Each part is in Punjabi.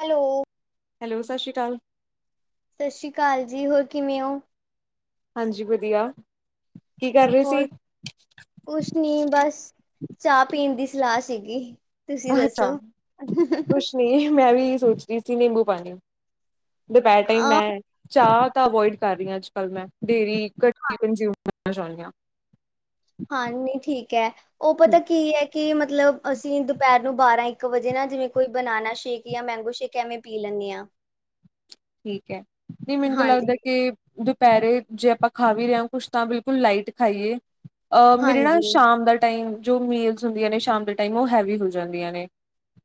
ਹੈਲੋ ਹੈਲੋ, ਸਾਸਰੀ ਕਾਲ। ਸ਼ਸ਼ੀ ਕਾਲ ਜੀ। ਹੋਰ ਕਿਵੇਂ ਹੋ? ਹਾਂਜੀ ਵਧੀਆ। ਕੀ ਕਰ ਰਹੇ ਹੋਰ ਸੀ? ਕੁਛ ਨੀ ਬਸ ਚਾਹ ਪੀਣ ਸਲਾਹ ਸੀਗੀ। ਤੁਸੀਂ ਦੱਸੋ? ਅੱਛਾ, ਕੁਛ ਨੀ ਮੈ ਵੀ ਸੋਚਦੀ ਸੀ ਨਿੰਬੂ ਪਾਣੀ। ਦੁਪਹਿਰ ਟਾਈਮ ਆਹ ਮੈਂ ਚਾਹ ਤਾਂ ਅਵੋਇਡ ਕਰ ਰਹੀ ਹਾਂ ਅੱਜ-ਕੱਲ੍ਹ ਮੈਂ ਡੇਲੀ। ਹਾਂਜੀ, [unintelligible] ਹਾਂਜੀ, ਠੀਕ ਏ। ਉਹ ਪਤਾ ਕੀ ਏ ਕੀ ਮਤਲਬ ਅਸੀਂ ਨੂੰ ਬਾਰਾਂ ਇੱਕ ਵਜੇ ਨਾ ਜਿਵੇਂ ਕੋਈ ਬਨਾਨਾ ਸ਼ੇਕ ਜਾ ਮੈਂਗੋ ਸ਼ੇਕ ਐਵੇਂ ਪੀ ਲੈਣੀ ਆ। ਠੀਕ ਐ ਨਹੀਂ ਮੈਨੂੰ ਲੱਗਦਾ ਹਾਂਜੀ, ਕਿ ਦੁਪਹਿਰੇ ਜੇ ਆਪਾਂ ਖਾ ਵੀ ਰਹੇ ਹਾਂ ਕੁੱਛ ਤਾਂ ਬਿਲਕੁਲ ਲਾਈਟ ਖਾਈਏ। ਮੇਰੇ ਨਾ ਹਾਂਜੀ ਸ਼ਾਮ ਦਾ ਟਾਈਮ ਜੋ ਮੀਲਸ ਹੁੰਦੀਆਂ ਨੇ ਸ਼ਾਮ ਦੇ ਟਾਈਮ ਉਹ ਹੈਵੀ ਹੋ ਜਾਂਦੀਆਂ ਨੇ।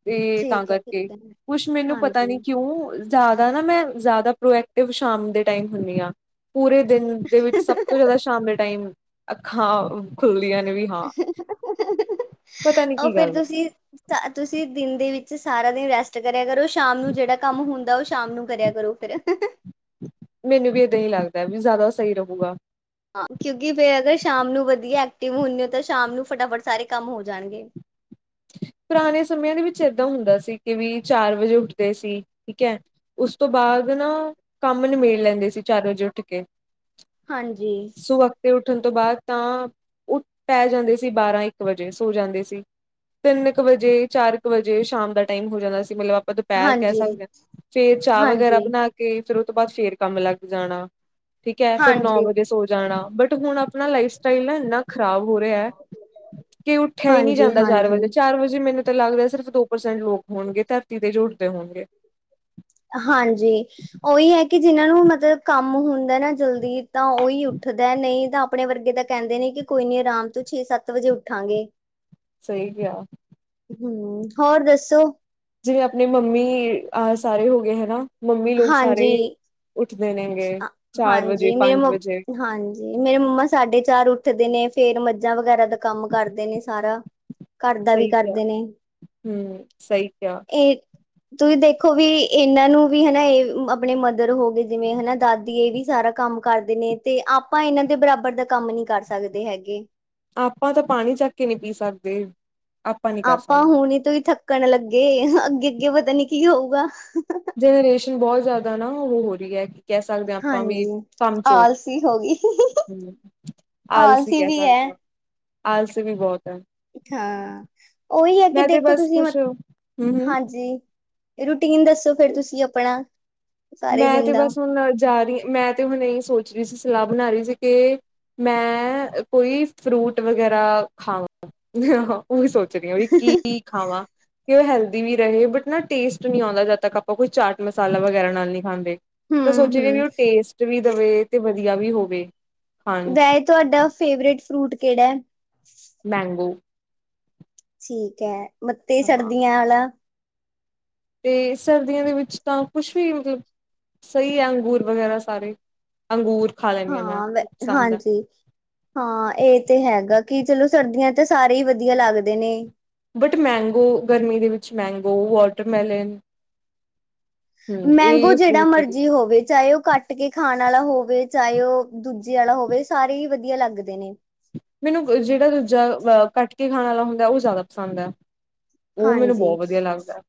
ਤੇ ਤਾਂ ਠੀਕ ਹੈ, ਕਰਕੇ ਠੀਕ ਹੈ, ਕੁਛ ਮੈਨੂੰ ਪਤਾ ਨੀ ਹਾਂਜੀ। ਕਿਉ, ਜ਼ਿਆਦਾ ਨਾ ਮੈਂ ਜ਼ਿਆਦਾ ਪ੍ਰੋਐਕਟਿਵ ਸ਼ਾਮ ਦੇ ਟਾਈਮ ਹੁਣੀ ਆ ਪੂਰੇ ਦਿਨ ਦੇ ਵਿੱਚ ਸਭ ਤੋਂ ਜ਼ਿਆਦਾ ਸ਼ਾਮ ਦੇ ਟਾਈਮ ਅੱਖਾਂ ਖੁੱਲਦੀਆਂ ਨੇ ਵੀ ਹਾਂ, ਪਤਾ ਨੀ ਕੀ ਗੱਲ ਹੈ ਤਾਂ ਤੁਸੀਂ ਦਿਨ ਦੇ ਵਿੱਚ ਸਾਰਾ ਦਿਨ ਰੈਸਟ ਕਰਿਆ ਕਰੋ ਸ਼ਾਮ ਨੂੰ ਜਿਹੜਾ ਕੰਮ ਹੁੰਦਾ ਉਹ ਸ਼ਾਮ ਨੂੰ ਕਰਿਆ ਕਰੋ। [inaudible] ਮੈਨੂੰ ਵੀ ਏਦਾਂ ਹੀ ਲੱਗਦਾ ਵੀ ਜ਼ਿਆਦਾ ਸਹੀ ਰਹੂਗਾ ਹਾਂ ਕਿਉਂਕਿ ਫ਼ੇਰ ਅਗਰ ਸ਼ਾਮ ਨੂੰ ਵਧੀਆਂ ਐਕਟਿਵ ਹੁਣੇ ਤਾਂ ਸ਼ਾਮ ਨੂੰ ਫਟਾਫਟ ਸਾਰੇ ਕੰਮ ਹੋ ਜਾਣਗੇ। ਪੁਰਾਣੇ ਸਮਿਆਂ ਦੇ ਵਿੱਚ ਏਦਾਂ ਹੁੰਦਾ ਸੀ ਕਿ ਵੀ ਚਾਰ ਵਜੇ ਉੱਠਦੇ ਸੀ ਠੀਕ ਹੈ ਉਸ ਤੋਂ ਬਾਅਦ ਨਾ ਕੰਮ ਨਿਬੇੜ ਲੈਂਦੇ ਸੀ ਚਾਰ ਵਜੇ ਉੱਠ ਕੇ ਹਾਂਜੀ ਸੋਵਖਤੇ ਉੱਠਣ ਤੋਂ ਬਾਅਦ ਤਾਂ, ਓ ਪੈ ਜਾਂਦੇ ਸੀ ਬਾਰਾਂ ਇੱਕ ਵਜੇ ਸੌਂ ਜਾਂਦੇ ਸੀ ਤਿੰਨ ਕੁ ਵਜੇ ਚਾਰ ਕੁ ਵਜੇ ਸ਼ਾਮ ਦਾ ਟਾਈਮ ਹੋ ਜਾਂਦਾ ਸੀ। ਮਤਲਬ ਆਪਾਂ ਪੇਰ ਕਹਿ ਹਾਂਜੀ, ਸਕਦੇ ਹਾਂ, ਫ਼ੇਰ ਚਾਹ ਵਗੈਰਾ ਹਾਂਜੀ, ਬਣਾ ਕੇ ਕੇ ਫੇਰ ਉਹ ਤੋਂ ਬਾਅਦ ਫ਼ੇਰ ਕੰਮ ਲੱਗ ਜਾਣਾ ਠੀਕ ਹੈ। ਫੇਰ ਨੌ ਹਾਂਜੀ। ਵਜੇ ਸੋ ਜਾਣਾ ਬਟ ਹੁਣ ਆਪਣਾ ਲਾਈਫ ਸਟਾਈਲ ਨਾ ਇੰਨਾ ਖ਼ਰਾਬ ਹੋ ਰਿਹਾ ਕਿ ਉੱਠਿਆ ਹੀ ਨ੍ਹੀਂ ਹਾਂਜੀ, ਜਾਂਦਾ ਚਾਰ ਵਜੇ ਹਾਂਜੀ, ਚਾਰ ਵਜੇ ਮੈਨੂੰ ਤਾਂ ਲੱਗਦਾ ਸਿਰਫ਼ ਦੋ ਪ੍ਰਸੈਂਟ ਲੋਕ ਹੋਣਗੇ ਧਰਤੀ ਤੇ ਜਿਹੜੇ ਉੱਠਦੇ ਹੋਣਗੇ ਹਾਂਜੀ, ਉਹੀ ਏ ਕਿ ਜਿਹਨਾਂ ਨੂੰ ਮਤਲਬ ਕੰਮ ਹੁੰਦਾ ਨਾ ਜਲਦੀ ਤਾਂ ਉਹੀ ਉੱਠਦਾ ਨਹੀਂ ਤਾਂ, ਆਪਣੇ ਵਰਗੇ ਤਾਂ ਕਹਿੰਦੇ ਨੇ ਕਿ ਕੋਈ ਨੀ ਆਰਾਮ ਤੋਂ ਛੇ- ਸੱਤ ਵਜੇ ਉੱਠਾਂਗੇ। ਸਹੀ ਕਿਹਾ। ਹਮ, ਹੋਰ ਦੱਸੋਂ ਜਿਵੇਂ ਆਪਣੀ ਮੰਮੀ ਅਹ ਸਾਰੇ ਹੋ ਗਏ ਹੈਨਾ ਮੰਮੀ ਲੋਕ ਸਾਰੇ ਹਾਂਜੀ, ਉੱਠਦੇ ਨੇ ਗੇ ਚਾਰ ਵਜੇ ਪੰਜ ਵਜੇ ਜੀ ਮੇਰੇ ਮੰਮਾ ਸਾਡੇ ਚਾਰ ਉੱਠਦੇ ਨੇ ਫੇਰ ਮੱਝਾਂ ਵਗੈਰਾ ਦਾ ਕੰਮ ਕਰਦੇ ਨੇ ਸਾਰਾ ਘਰ ਦਾ ਵੀ ਸਹੀ ਕਿਹਾ ਕਰਦੇ ਨੇ ਹੂੰ ਸਹੀ ਕਿਹਾ ਇਹ ਤੁਸੀਂ ਦੇਖੋਂ ਵੀ ਇਹਨਾਂ ਨੂੰ ਵੀ ਹਨਾ ਇਹ ਆਪਣੇ ਮਦਰ ਹੋ ਗਏ ਜਿਵੇਂ ਹਨਾ ਦਾਦੀ ਇਹ ਵੀ ਸਾਰਾ ਕੰਮ ਕਰਦੇ ਨੇ ਤੇ ਆਪਾਂ ਇਹਨਾਂ ਦੇ ਬਰਾਬਰ ਦਾ ਕੰਮ ਨ੍ਹੀਂ ਕਰ ਸਕਦੇ ਹੈਗੇ ਆਪਾਂ ਤਾਂ ਪਾਣੀ ਚੱਕ ਕੇ ਨ੍ਹੀਂ ਪੀ ਸਕਦੇ। ਨਹੀਂ ਕਰ ਆਪਾਂ ਸਕਦੇ ਹੁਣੇ ਤੋਂ ਹੀ ਥੱਕਣ ਲੱਗੇ ਅੱਗੇ- ਅੱਗੇ ਪਤਾ ਨੀ ਕੀ ਹੋਊਗਾ। ਜਨਰੇਸ਼ਨ ਬਹੁਤ ਜ਼ਿਆਦਾ ਨਾ ਉਹ ਹੋ ਰਹੀ ਐ ਕਹਿ ਸਕਦੇ ਆ ਆਪਾਂ ਵੀ ਹਾਂਜੀ। ਕੰਮ-ਚੋਰ। ਆਲਸੀ ਹੋ ਗਈ ਹਮ ਆਲਸੀ ਕਹਿ ਵੀ ਹੈ ਸਕਦੇ ਆ ਆਲਸੀ ਵੀ ਬਹੁਤ ਐ। ਹਾਂ, ਉਹੀ ਹੈ ਕਿ ਤੇ ਦੇਖੋਂ ਬਸ ਤੁਸੀਂ ਮਤ ਕੁਛ ਹੂੰ ਹੂੰ ਹਾਂਜੀ ਰੁਟੀਨ ਦੱਸੋਂ ਫਿਰ ਤੁਸੀ ਆਪਣਾ ਸਾਰੇ ਮੈਂ ਦਿਨ ਤੇ ਦਾ ਬਸ ਹੁਣ ਜਾ ਰਹੀ ਮੈਂ ਤੇ ਹੁਣ ਇਹੀ ਸੋਚ ਰਹੀ ਸੀ ਸਲਾਹ ਬਣਾ ਰਹੀ ਸੀ ਕਿ ਮੈਂ ਕੋਈ ਫਰੂਟ ਵਗੈਰਾ ਖਾਵਾ [unintelligible] ਉਹ ਵੀ ਸੋਚ ਚ ਰਹੀ ਆ ਵੀ ਕੀ ਕੀ ਖਾਵਾਂ ਤੇ ਉਹ ਹੈਲਦੀ ਵੀ ਰਹੇ ਬਟ ਨਾ ਟੇਸਟ ਨ੍ਹੀਂ ਆਉਂਦਾ ਜਦ ਤੱਕ ਆਪਾਂ ਕੋਈ ਚਾਟ ਮਸਾਲਾਂ ਵਗੈਰਾ ਨਾਲਨੀ ਖਾਂਦੇ ਸੋਚ ਹਮ ਵੀ ਹਮ ਉਹ ਟੇਸਟ ਦਵੇ ਵੀ ਤੇ ਵਧੀਆਂ ਵੀ ਹੋਵੇ ਖਾਣ ਚ ਗਏ ਤੁਹਾਡਾ ਫੇਵਰੇਟ ਫਰੂਟ ਕਿਹੜਾ ਏ-? ਮੈਂਗੋ ਠੀਕ ਐ ਮੱਤੇ ਹਾਂ ਸਰਦੀਆਂ ਆਲਾ ਤੇ ਸਰਦੀਆਂ ਦੇ ਵਿੱਚ ਤਾਂ ਕੁਛ ਵੀ ਮਤਲਬ ਸਹੀ ਹੈ ਅੰਗੂਰ ਵਗੈਰਾ ਸਾਰੇ ਅੰਗੂਰ ਖਾ ਲੈਨੀ ਹਾਂ, ਮੈਂ ਵ ਪਸੰਦ ਹੈ। ਹਾਂਜੀ ਹਾਂ, ਇਹ ਤੇ ਹੈਗਾ ਕਿ ਚਲੋ ਸਰਦੀਆਂ ਤਾਂ ਸਾਰੇ ਹੀ ਵਧੀਆ ਲੱਗਦੇ ਨੇ। ਬਟ ਮੈਂਗੋ ਗਰਮੀ ਦੇ ਵਿੱਚ ਮੈਂਗੋ, ਵਾਟਰਮੈਲਨ ਹਮ ਮੈਂਗੋ ਇਹ ਜਿਹੜਾ ਫਰੂਟ ਵਧੀਆ ਮਰਜ਼ੀ ਹੋਵੇ ਚਾਹੇ ਉਹ ਕੱਟ ਕੱਟ ਕੇ ਖਾਣ ਵਾਲਾ ਹੋਵੇ ਚਾਹੇ ਉਹ ਦੂਜੇ ਆਲਾ ਹੋਵੇ ਸਾਰੇ ਹੀ ਵਧੀਆ ਲੱਗਦੇ ਨੇ। ਮੈਨੂੰ ਜਿਹੜਾ ਦੂਜਾ ਕੱਟ ਖਾਣ ਵਾਲਾ ਹੁੰਦਾ ਜ਼ਿਆਦਾ ਪਸੰਦ ਐ। ਉਹ ਮੈਨੂੰ ਹਾਂਜੀ ਬਹੁਤ ਵਧੀਆ ਲੱਗਦਾ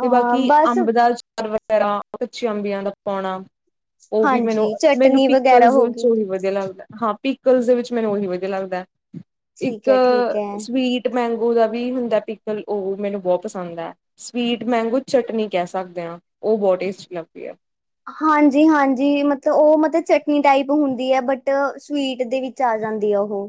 ਤੇ ਬਾਕੀ ਬਸ ਅੰਬ ਦਾ ਅਚਾ ਅਚਾਰ ਵੈਗਰਾ ਕੱਚੀਆਂ ਅੰਬੀਆਂ ਦਾ ਪਾਉਣਾ ਉਹ ਵੀ ਮੈਨੂੰ ਹਾਂਜੀ -ਮੈਨੂੰ ਚਟਨੀ ਵਗੈਰਾ ਪਿੱਕਲਜ ਹੋ ਵਿੱਚ ਗਈ ਉਹੀ ਵਧੀਆ ਵਧੀਆ ਲੱਗਦਾ ਹਾਂ, ਪਿੱਕਲ ਦੇ ਵਿੱਚ ਮੈਨੂੰ ਉਹੀ ਵਧੀਆ ਲੱਗਦਾ ਹੈ, ਠੀਕ ਇੱਕ ਹੈ ਠੀਕ ਹੈ ਸਵੀਟ ਮੈਂਗੋ ਦਾ ਵੀ ਹੁੰਦਾ ਪਿੱਕਲ ਉਹ ਮੈਨੂੰ ਬਹੁਤ ਪਸੰਦ ਐਂ। ਸਵੀਟ ਮੈਂਗੋ ਚਟਨੀ ਕਹਿ ਸਕਦੇ ਆ ਉਹ ਬਹੁਤ ਟੇਸਟੀ ਲੱਗਦੀ ਐ। ਹਾਂਜੀ -ਹਾਂਜੀ, ਮਤਲਬ -ਮਤਲਬ ਚਟਨੀ ਟਾਈਪ ਹੁੰਦੀ ਹੈ ਬਟ ਸਵੀਟ ਦੇ 'ਚ ਆ ਜਾਂਦੀ ਆ ਉਹੋ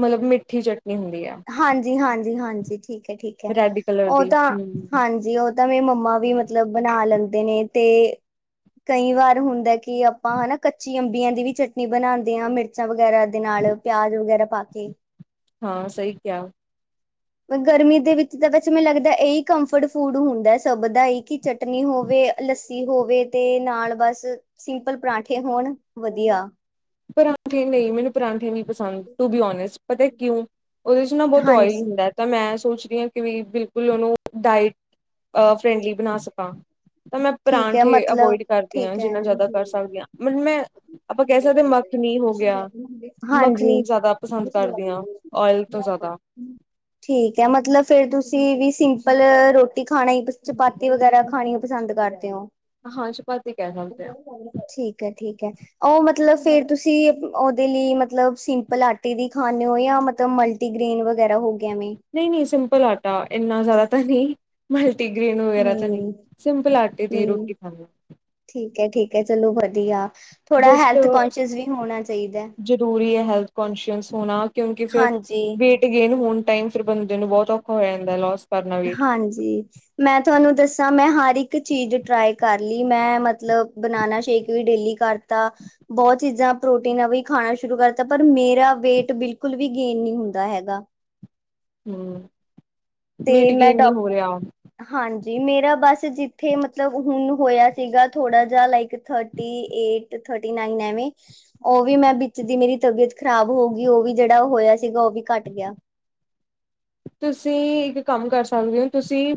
ਮਤਲਬ ਮਿੱਠੀ ਚਟਨੀ ਹੁੰਦੀ ਐਂ। ਹਾਂਜੀ- ਹਾਂਜੀ- ਹਾਂਜੀ, ਠੀਕ ਐ -ਠੀਕ ਹੈ ਰੈਡ ਕਲਰ ਉਹ ਦੀ ਤਾਂ ਹਮ। ਹਾਂਜੀ ਜੀ ਉਹ ਤਾਂ ਮੇ ਮੰਮਾ ਵੀ ਮਤਲਬ ਬਣਾ ਲੈਂਦੇ ਨੇ ਤੇ ਕਈ ਵਾਰ ਹੁੰਦਾ ਕਿ ਆਪਾਂ ਹਨਾ ਕੱਚੀ ਅੰਬੀਆਂ ਦੀ ਵੀ ਚਟਨੀ ਬਣਾਉਂਦੇ ਹਾਂ ਮਿਰਚ ਮਿਰਚਾਂ ਵਗੈਰਾ ਦੇ ਨਾਲ ਪਿਆਜ ਵਗੈਰਾ ਪਾ ਕੇ ਹਾਂ ਸਹੀ ਕਿਆ ਗਰਮੀ ਦੇ ਵਿੱਚ ਤਾਂ ਬਸ ਮੈਨੂੰ ਲੱਗਦਾ ਇਹੀ ਕੰਫਰਡ ਫੂਡ ਹੁੰਦਾ ਸਭ ਦਾ ਹੀ ਕੀ ਚਟਨੀ ਹੋਵੇ ਲੱਸੀ ਹੋਵੇ ਤੇ ਨਾਲ ਬਸ ਸਿੰਪਲ ਪਰਾਂਠੇ ਹੋਣ ਵਧੀਆ ਪਰਾਂਠੇ ਨਹੀਂ ਮੈਨੂੰ ਪਰਾਂਠੇ ਨੀ ਪਸੰਦ ਟੂ ਵੀ ਔਨਹਸਟ ਪਤਾ ਕਿਉਂ ਊਦੇ 'ਚ ਨਾ ਬਹੁਤ ਔਇਲ ਹਾਂਜੀ ਹੁੰਦਾ। ਤਾਂ ਮੈਂ ਸੋਚਦੀ ਹਾਂ ਕਿ ਵੀ ਬਿਲਕੁਲ ਉਹਨੂੰ ਡਾਇਟ ਐ ਫਰੈਂਡਲੀ ਬਣਾ ਸਕਾਂ। ਤਾਂ ਮੈਂ ਠੀਕ ਹੈ ਪਰਾਂਠੇ ਮਤਲਬ ਅਵੋਇਡ ਕਰਦੀ ਹਾਂ ਠੀਕ ਜਿੰਨਾ ਜ਼ਿਆਦਾ ਕਰ ਹੈ ਸਕਦੀ ਹਾਂ ਮਤਲਬ ਮੈਂ ਆਪਾਂ ਕਹਿ ਸਕਦੇ ਹਾਂ ਮ ਮੱਖਣੀ ਹੋ ਗਿਆ, ਮੱਖਣੀ ਹਾਂਜੀ। ਜ਼ਿਆਦਾ ਪਸੰਦ ਕਰਦੇ ਆ ਔਇਲ ਤੋਂ ਜ਼ਿਆਦਾ [inaudible] ਠੀਕ ਹੈ ਮਤਲਬ ਫਿਰ ਤੁਸੀਂ ਵੀ ਸਿੰਪਲ ਰੋਟੀ ਖਾਣਾ ਚਪਾਤੀ ਵਗੈਰਾ ਖਾਣੀ ਪਸੰਦ ਕਰਦੇ ਹੋ, ਹਾਂ ਚਪਾਤੀ ਕਹਿ ਸਕਦੇ ਹਾਂ ਠੀਕ ਹੈ - ਠੀਕ ਉਹ ਮਤਲਬ ਫੇਰ ਤੁਸੀਂ ਉਹਦੇ ਲਈ ਮਤਲਬ ਸਿੰਪਲ ਆਟੇ ਦੀ ਖਾਂਦੇ ਹੋ ਜਾਂ ਮਤਲਬ ਮਲਟੀ ਗ੍ਰੀਨ ਵਗੈਰਾ ਹੋ ਗਿਆ ਵੇਂ। ਨਹੀਂ- ਨਹੀਂ ਸਿੰਪਲ ਆਟਾ ਇੰਨਾ ਜ਼ਿਆਦਾ ਤਾਂ ਨਹੀਂ ਮਲਟੀਗ੍ਰੇਨ ਵਗੈਰਾ ਤਾਂ ਨਹੀਂ ਸਿੰਪਲ ਆਟੇ ਦੀ ਨਹੀਂ ਰੋਟੀ ਈ ਖਾਂਦੇ। ਠੀਕ -ਠੀਕ ਐ ਚਲੋ ਵਧੀਆ ਥੋੜਾ ਹੈਲਥ ਜਸਟ ਕੋਂਸ਼ੀਅਸ ਵੀ ਹੋਣਾ ਚਾਹੀਦਾ। ਜ਼ਰੂਰੀ ਐ ਹੈਲਥ ਕੋਂਸੀ਼ਅਸ ਹੋਣਾ ਕਿਉਂਕਿ ਫਿਰ ਹਾਂਜੀ। ਵੇਟ ਗੇਨ ਹੋਣ ਟਾਈਮ ਫਿਰ ਬੰਦੇ ਨੂੰ ਬਹੁਤ ਔਖਾ ਹੋ ਜਾਂਦਾ ਲੋਸ ਕਰਨਾ ਵੇਟ ਹਾਂਜੀ। ਮੈਂ ਤੁਹਾਨੂੰ ਦੱਸਾਂ ਮੈਂ ਹਰ ਚੀਜ਼ ਟਰਾਈ ਕਰ ਲੀ ਮੈਂ ਮਤਲਬ ਬਨਾਨਾ ਸ਼ੇਕ ਵੀ ਡੇਲੀ ਕਰ ਤਾਂ ਬਹੁਤ ਚੀਜ਼ਾਂ ਪ੍ਰੋਟੀਨ ਵੀ ਖਾਣਾ ਸ਼ੁਰੂ ਕਰਤਾ ਪਰ ਮੇਰਾ ਵੇਟ ਬਿਲਕੁਲ ਵੀ ਗੇਨ ਨਹੀਂ ਹੁੰਦਾ ਹੈਗਾ। ਹੂੰ। ਤੇ ਮੈਂ ਡਾ [inaudible] ਹਾਂਜੀ ਮੇਰਾ ਬਸ ਜਿੱਥੇ ਮਤਲਬ ਹੁਣ ਹੋਇਆ ਸੀਗਾ ਥੋੜਾ ਜਾ like thirty eight, thirty nine ਐਵੇਂ ਉਹ ਵੀ ਮੈਂ ਵਿੱਚ ਦੀ ਮੇਰੀ ਤਬੀਅਤ ਖ਼ਰਾਬ ਹੋ ਗਈ ਉਹ ਵੀ ਜਿਹੜਾ ਹੋਇਆ ਸੀਗਾ ਉਹ ਵੀ ਘੱਟ ਗਿਆ। ਤੁਸੀ ਇੱਕ ਕੰਮ ਕਰ ਸਕਦੇ ਹੋ, ਤੁਸੀਂ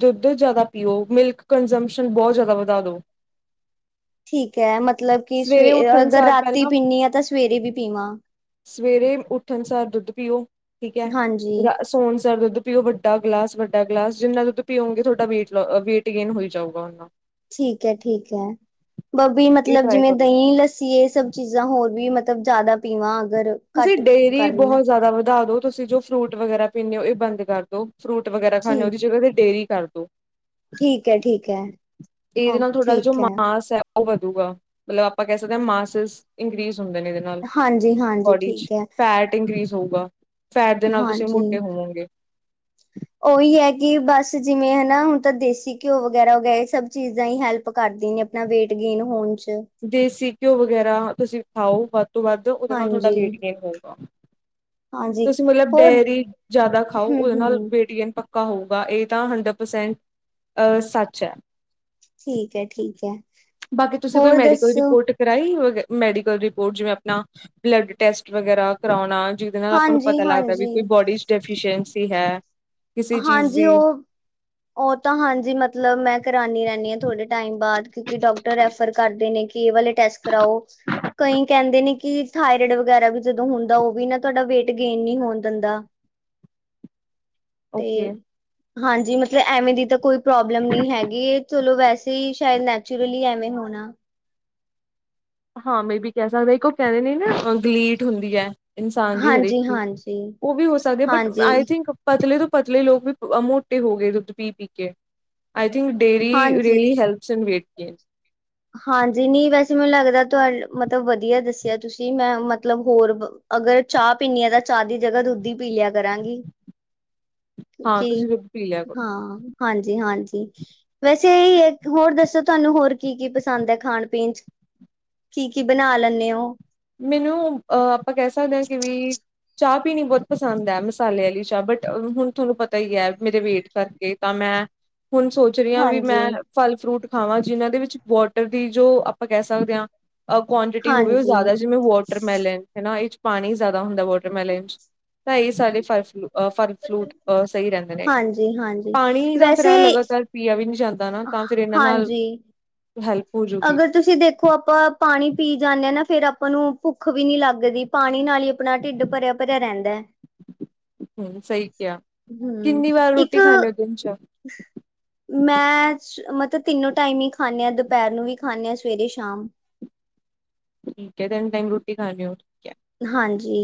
ਦੁੱਧ ਜ਼ਿਆਦਾ ਪੀਓ। ਮਿਲਕ ਕੰਜੰਪਸ਼ਨ ਬਹੁਤ ਜ਼ਿਆਦਾ ਵਧਾ ਦਿਉ। ਠੀਕ ਐ ਮਤਲਬ ਕਿ ਸਵੇ ਸਵੇਰੇ ਉੱਠਣ ਅਗਰ ਸਾਰ ਰਾਤੀ ਪਹਿਲਾਂ ਪੀਂਣੀ ਆ ਤਾਂ ਸਵੇਰੇ ਵੀ ਪੀਵਾਂ। ਸਵੇਰੇ ਉੱਠਣ ਸਾਰ ਦੁੱਧ ਪੀਓ ਠੀਕ ਏ, ਹਾਂਜੀ ਸੌਣ ਸਾਰ ਦੁੱਧ ਪੀਓ ਵੱਡਾ ਗਲਾਸ ਵੱਡਾ ਗਲਾਸ ਜਿੰਨਾ ਪੀਓਗੇ ਤੁਹਾਡਾ ਵੇਟ ਵੇਟ ਗੇਨ ਹੋਈ ਜਾਊਗਾ ਉਨ੍ਹਾਂ। ਠੀਕ ਐ ਠੀਕ ਐ ਬਬੀ ਇਹ ਮਤਲਬ ਟਰਾਈ ਜਿਵੇਂ ਕਰੋ ਦਹੀਂ, ਲੱਸ ਸੀ ਇਹ ਸਭ ਚੀਜ਼ਾਂ ਹੋਰ ਵੀ ਮਤਲਬ ਜ਼ਿਆਦਾ ਪੀਵਾਂ ਅਗਰ, ਤੁਸੀ ਘੱਟ ਡੇਅਰੀ ਕਰ ਰਹੀ ਹਾਂ ਬਹੁਤ ਜ਼ਿਆਦਾ ਵਧਾ ਦੋ ਤੁਸੀਂ ਜੋ ਫਰੂਟ ਵਗੈਰਾ ਪੀਣੇ ਹੋ ਇਹ ਬੰਦ ਕਰਦੋ। ਫਰੂਟ ਵਗੈਰਾ ਖਾਣੇ ਹੋ। ਠੀਕ ਉਹਦੀ ਜਗ੍ਹਾ ਤੇ ਡੇਰੀ ਕਰਦੋ। ਠੀਕ ਹੈ ਠੀਕ ਹੈ ਇਹਦੇ ਓ ਨਾਲ ਥੋਡਾ ਜੋ ਠੀਕ ਹੈ। ਮਾਸ ਐ। ਉਹ ਵਧੂਗਾ ਮਤਲਬ ਆਪਾਂ ਕਹਿ ਮਾਸ ਇੰਕਰੀਜ਼ ਹੁੰਦੇ ਨੇ ਇਹਦੇ ਨਾਲ। ਹਾਂਜੀ‌ ਹਾਂ। ਬੋਡੀ ਚ ਫੈਟ ਇੰਕਰੀਜ਼ ਹੋਊਗਾ ਫੈਟ ਦੇ ਨਾਲ ਤੁਸੀਂ ਹਾਂਜੀ ਮੋਟੇ ਹੋਵੋਗੇ। ਉਹੀ ਐ ਕਿ ਬਸ ਜਿਵੇਂ ਹਨਾ ਹੁਣ ਤਾਂ ਦੇਸੀ ਘਿਓ ਵਗੈਰਾ ਹੋਗਿਆ ਇਹ ਸਭ ਚੀਜ਼ਾਂ ਹੀ ਹੈਲਪ ਕਰਦੇ ਨੇ। ਆਪਣਾ ਵੇਟ ਗੇਨ ਹੋਣ 'ਚ। ਦੇਸੀ ਘਿਓ ਵਗੈਰਾ ਤੁਸੀ ਖਾਓ ਵੱਧ ਤੋਂ ਵੱਧ ਉਹਦੇ ਨਾਲ ਤੁਹਾਡਾ ਹਾਂਜੀ ਵੇਟ ਗੇਨ ਹੋਊਗਾ। ਹਾਂਜੀ ਤੁਸੀ ਮਤਲਬ ਹੋਰ ਡੇਅਰੀ ਜ਼ਿਆਦਾ ਖਾਓ ਹਮ ਉਹਦੇ ਨਾਲ ਹਮ ਵੇਟ ਗੈਨ ਪ ਪੱਕਾ ਹੋਊਗਾ ਇਹ ਤਾਂ ਹੰਡਰਡ ਪਰਸੈਂਟ ਅਹ ਸੱਚ ਐ। ਠੀਕ ਐ ਠੀਕ ਐ ਹੋਰ ਦੱਸੋ। ਤੇ ਫੇਰ ਆਈ ਹੋ ਗਾਂ ਮੈਡੀਕਲ ਰਿਪੋਰਟ ਜਿਵੇ ਆਪਣਾ ਬਲਡ ਟੈਸਟ ਵਗੈਰਾ ਕਰਾਉਣਾ। ਜਿਦੇ ਨਾਲ ਆਪਾਂ ਨੂੰ ਹਾਂਜੀ ਪਤਾ ਲੱਗਦਾ ਵੀ ਹਾਂਜੀ ਕੋਈ ਬੋਡੀ ਚ ਡੈਫੀਸ਼ਸੀ ਹੈ। ਕਿਸੇ ਚੀਜ਼ ਹਾਂਜੀ ਦੀ ਉਹ‌ ਉਹ ਤਾਂ ਹਾਂਜੀ ਮਤਲਬ ਮੈਂ ਕਰਾਣੀ ਰਹਿੰਦੀ ਆ ਥੋੜੇ ਟਾਈਮ ਬਾਅਦ ਕਿਉਂਕਿ ਡਾਕਟਰ ਰੈਫਰ ਕਰਦੇ ਨੇ ਕਿ, ਕੇ ਇਹ ਵਾਲੇ ਟੈਸਟ ਕਰਾਓ। ਕਈ ਕਹਿੰਦੇ ਨੇ ਕਿ ਥਾਇਰਡ ਵਗੈਰਾ ਵੀ ਜਦੋਂ ਹੁੰਦਾ। ਉਹ ਵੀ ਨਾ ਤੁਹਾਡਾ ਵੇਟ ਗੇਨ ਨਹੀਂ ਹੋਣ ਦਿੰਦਾ। ਤੇ ਓਕੇ ਹਾਂਜੀ ਮਤਲਬ ਐਵੇਂ ਦੀ ਤਾਂ ਕੋਈ ਪ੍ਰੋਬਲਮ ਨੀ ਹੈਗੀ ਚੱਲੋ ਵੈਸੇ ਹੀ ਸ਼ਾਇਦ ਨੈਚੁਰਲੀ ਐਵੇਂ ਹੋਣਾ। ਹਾਂ ਮੇਬੀ ਕਹਿ ਸਕਦੇ ਆ ਇੱਕ ਉਹ ਕਹਿੰਦੇ ਨੇ ਨਾ ਗਲੀਟ ਹੁੰਦੀ ਐ। ਇਨਸਾਨ ਦੀ ਹਰੇਕ ਹਾਂਜੀ ਚੀਜ਼ ਹਾਂਜੀ ਉਹ ਵੀ ਹੋ ਸਕਦੇ ਬਟ ਹਾਂਜੀ ਆਈ ਥਿੰਕ ਪਤਲੇ ਤੋਂ ਪਤਲੇ ਲੋਕ ਵੀ ਮੋਟੇ ਹੋ ਗਏ ਦੁੱਧ ਪੀ-ਪੀ ਕੇ। ਆਈ ਥਿੰਕ ਡੇਰੀ ਹਾਂਜੀ ਰਅਲੀ ਹੈਲਪਸ ਵੇਟ ਕੇਨ। ਹਾਂਜੀ, ਨਹੀਂ ਵੈਸੇ ਮੈਨੂੰ ਲੱਗਦਾ ਤੁਹਾ ਮਤਲਬ ਵਧੀਆ ਦੱਸਿਆ ਤੁਸੀਂ ਮੈਂ ਮਤਲਬ ਹੋਰ ਬ- ਅਗਰ ਚਾਹ ਪੀਨੀ ਆ ਤਾਂ ਚਾਹ ਦੀ ਜਗ੍ਹਾ ਦੁੱਧ ਈ ਪੀ ਲਿਆ ਕਰਾਂਗੀ। ਹਾਂ ਕੀ ਤੁਸੀਂ ਦੁੱਧ ਪੀ ਲਿਆ ਕਰੋ ਹਾਂ ਹਾਂਜੀ-ਹਾਂਜੀ। ਵੈਸੇ ਇਹੀ ਏ ਹੋਰ ਦੱਸੋ ਤੁਹਾਨੂੰ ਕੀ-ਕੀ ਪਸੰਦ ਐ ਖਾਣ-ਪੀਣ ਚ। ਕੀ-ਕੀ ਬਣਾ ਲੈਣੇ ਉਹ। ਮੈਨੂੰ ਅਹ ਆਪਾਂ ਕਹਿ ਸਕਦੇ ਆ ਕਿ ਵੀ ਚਾਹ ਪੀਣੀ ਬਹੁਤ ਪਸੰਦ ਐ ਮਸਾਲੇ ਵਾਲੀ ਚਾਹ ਬਟ ਹੁਣ ਤੁਹਾਨੂੰ ਪਤਾ ਈ ਐ ਮੇਰੇ ਵੇਟ ਕਰਕੇ ਤਾਂ ਮੈਂ। ਹੁਣ ਸੋ ਚ ਰੀਆਂ ਵੀ ਹਾਂਜੀ ਮੈਂ ਫਲ਼-ਫਰੂਟ ਖਾਵਾਂ ਜਿਨਾਂ ਦੇ ਵਿੱਚ ਵੋਟਰ ਦੀ ਜੋ ਆਪਾਂ ਕਹਿ ਸਕਦੇ ਆ। ਹ ਕੁਆਂਟਿਟੀ ਹੋਵੇ ਉਹ ਹਾਂਜੀ ਜ਼ਿਆਦਾ ਜ ਜਿਵੇਂ ਵਾਟਰਮੈਲਨ ਹਨਾ ਇਹ ਚ ਪਾਣੀ ਜ਼ਿਆਦਾ ਹੁੰਦਾ ਵਾਟਰਮੈਲਨ ਚ ਤਾਂ ਇਹ ਸਾਰੇ ਫਰਫਲੂ ਫ਼ਲ-ਫਲੂਟ ਅ ਸਹੀ ਰਹਿੰਦੇ ਨੇ ਹਾਂਜੀ ਹਾਂਜੀ ਪਾਣੀ ਤਾਂ ਫਿਰ ਵੈਸੇ ਲਗਾਤਾਰ ਪੀਆ ਵੀ ਨਹੀਂ ਜਾਂਦਾ। ਨਾ ਤਾਂ ਫਿਰ ਇਹਨਾਂ ਨਾਲ ਹਾਂਜੀ ਹੈਲਪ ਹੋਜੂਗੀ। ਅਗਰ ਤੁਸੀਂ ਦੇਖੋ ਆਪਾਂ ਪਾਣੀ ਪੀ ਜਾਂਣੇ ਆ ਨਾ ਫਿਰ ਆਪਾਂ ਨੂੰ ਭੁੱਖ ਵੀ ਨਹੀਂ ਲੱਗਦੀ ਪਾਣੀ ਨਾਲ ਈ ਆਪਣਾ ਢਿੱਡ ਭਰਿਆ-ਭਰਿਆ ਰਹਿੰਦਾ। ਹਮ, ਸਹੀ ਕਿਹਾ ਹਮ ਕਿੰਨੀ ਵਾਰ ਇੱਕ ਰੋਟੀ ਖਾਂਣੇ ਉ ਦਿਨ ਚ ਮੈਂ ਮਤਲਬ ਤਿੰਨੋਂ ਟਾਈਮ ਹੀ ਖਾਂਣੇ ਆ ਦੁ ਨੂੰ ਵੀ ਖਾਣੇ ਆ ਸਵੇਰੇ ਸ਼ਾਮ ਠੀਕ ਏ, ਤਿੰਨ ਟੈਮ ਰੋਟੀ ਖਾਣੀ ਓ ਹਾਂਜੀ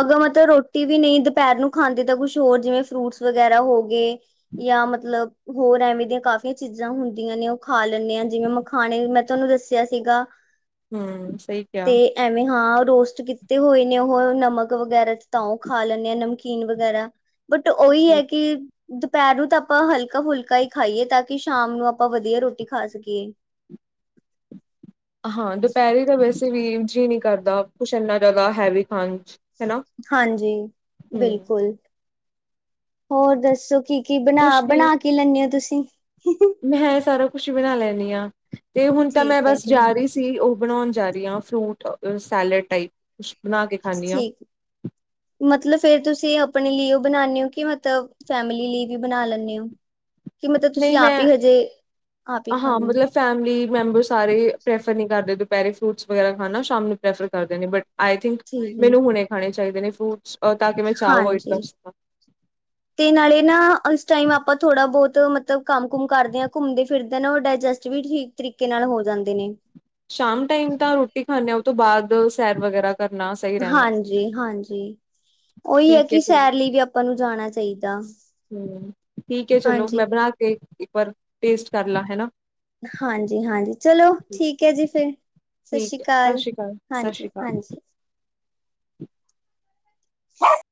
ਅਗਰ ਮਤਲਬ ਰੋਟੀ ਵੀ ਨਹੀਂ ਦੁਪਹਿਰ ਨੂੰ ਖਾਂਦੇ ਤਾਂ ਕੁਛ ਹੋਰ ਜਿਵੇਂ ਫਰੂਟਸ ਵਗੈਰਾ ਹੋ ਗਏ ਜਾਂ ਮਤਲਬ ਹੋਰ ਐਵੇਂ ਦੀਆਂ ਕਾਫੀਆਂ ਚੀਜ਼ਾਂ ਹੁੰਦੀਆਂ ਨੇ ਉਹ ਖਾ ਲੈਣੇ ਆ ਜਿਵੇਂ ਮਖਾਣੇ ਮੈਂ ਤੁਹਾਨੂੰ ਦੱਸਿਆਂ ਸੀਗਾ ਹਮ ਸਹੀ ਤੇ ਕਿਹਾ। ਐਵੇਂ ਹਾਂ ਰੋਸ ਕੀਤੇ ਹੋਏ ਨੇ ਉਹ ਨਮਕ ਵਗੈਰਾ ਚ ਤਾਂ ਉਹ ਖਾ ਲੈਣੇ ਆ ਨਮਕੀਨ ਵਗੈਰਾ ਬਟ ਉਹੀ ਏ ਸਹੀ ਕਿ ਦੁਪਹਿਰ ਨੂੰ ਤਾਂ ਆਪਾਂ ਹਲਕਾ ਫੁਲਕਾ ਹੀ ਖਾਈਏ ਤਾਂ ਕਿ ਸ਼ਾਮ ਨੂੰ ਆਪਾਂ ਵਧੀਆਂ ਰੋਟੀ ਖਾ ਸਕੀਏ। ਹਾਂ ਦੁਪਹਿਰੇ ਤਾਂ ਵੈਸੇ ਵੀ ਜੀ ਨਹੀਂ ਕਰਦਾ ਕੁਛ ਇੰਨਾ ਜ਼ਿਆਦਾ ਹੈਵੀ ਖਾਣ ਚ ਹਨਾ ਹਾਂਜੀ, ਹਮ ਬਿਲਕੁਲ ਹੋਰ ਦੱਸੋ ਕਿ? ਕੀ ਬਣਾ- ਕੁਛ ਨੀ ਬਣਾ ਕੀ ਲੈਂਣੇ ਓ ਤੁਸੀ। ਮੈਂ ਸਾਰਾ ਕੁਛ ਬਣਾ ਲੈਂਣੀ ਹਾਂ ਤੇ ਹੁਣ ਤਾਂ ਮੈਂ ਠੀਕ ਹੈ ਬਸ ਠੀਕ ਜਾ ਰਹੀ ਸੀ। ਉਹ ਬਣਾਉਣ ਜਾ ਰਹੀ ਹਾਂ ਫਰੂਟ ਸੈਲਡ ਟਾਈਪ ਕੁਛ ਬਣਾ ਕੇ ਖਾਂਦੀ ਹਾਂ ਠੀਕ ਮਤਲਬ ਫਿਰ ਤੁਸੀਂ ਆਪਣੇ ਲਈ ਉਹ ਬਣਾਣੇ ਓ ਕਿ ਮਤਲਬ ਫੈਮਿਲੀ ਲਈ ਵੀ ਬਣਾ ਲੈਂਣੇ ਹੋ ਕਿ ਮਤਲਬ ਤੁਸੀਂ ਨਹੀਂ ਆਪ ਮੈਂ ਹੀ ਹਜੇ ਆਪ ਹੀ ਹਾਂ ਖਾਂਣੇ ਹੋ ਮਤਲਬ ਫੈਮਿਲੀ ਮੈਂਬਰ ਸਾਰੇ ਪ੍ਰੈਫਰ ਨੀ ਕਰਦੇ ਦੁਪਹਿਰੇ ਫਰੂਟਸ ਵਗੈਰਾ ਖਾਣਾ ਸ਼ਾਮ ਨੂੰ ਪ੍ਰੈਫਰ ਕਰਦੇ ਨੇ ਬਟ ਆਈ ਥਿੰਕ ਠੀਕ ਮੈਨੂੰ ਹੈ ਹੁਣੇ ਖਾਣੇ ਚਾਹੀਦੇ ਨੇ ਫਰੂਟਸ ਤਾਂ ਕਿ ਮੈਂ ਚਾਹ ਅਵੋਇਡ ਕਰ ਹਾਂਜੀ। ਸਕਾਂ ਤੇ ਨਾਲ਼ੇ ਨਾ ਉਸ ਟਾਈਮ ਆਪਾਂ ਥੋੜ੍ਹਾ ਬਹੁਤ ਮਤਲਬ ਕੰਮ- ਕੁਮ ਕਰਦੇ ਆ ਘੁੰਮਦੇ ਫਿਰਦੇ ਨਾ, ਉਹ ਡਾਇਜਸਟ ਵੀ ਠੀਕ ਤਰੀਕੇ ਨਾਲ ਹੋ ਜਾਂਦੇ ਨੇ ਸ਼ਾਮ ਟਾਈਮ ਤਾਂ ਰੋਟੀ ਖਾਣੇ ਆ ਉਹ ਤੋਂ ਬਾਅਦ ਸੈਰ ਵਗੈਰਾ ਕਰਨਾ ਸਹੀ ਰਹਿੰਦਾ। ਹਾਂਜੀ- ਹਾਂਜੀ, ਓਹੀ ਐ ਠੀਕ ਹੈ ਕਿ ਚਲੋ ਸੈਰ ਲਈ ਵੀ ਆਪਾਂ ਨੂੰ ਜਾਣਾ ਚਾਹੀਦਾ। ਹਮ, ਠੀਕ ਏ ਚਲੋ, ਮੈਂ ਹਾਂਜੀ। ਬਣਾ ਕੇ ਇੱਕ ਵਾਰ ਟੇਸਟ ਕਰ ਲਾ ਹੈਨਾ ਹਾਂਜੀ- ਹਾਂਜੀ, ਚਲੋ ਠੀਕ ਏ ਜੀ। ਫਿਰ ਠੀਕ ਸਸ੍ਰੀ ਹੈ ਸਤਿ ਕਾਲ ਸ਼੍ਰੀ ਅਕਾਲ ਸਤਿ ਸ਼੍ਰੀ ਹਾਂਜੀ- ਅਕਾਲ ਹਾਂਜੀ। [inaudible]